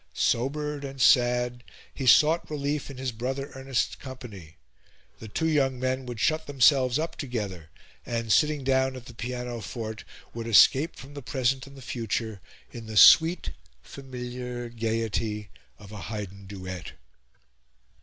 Sobered and sad, he sought relief in his brother Ernest's company; the two young men would shut themselves up together, and, sitting down at the pianoforte, would escape from the present and the future in the sweet familiar gaiety of a Haydn duet.